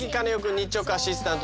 日直アシスタント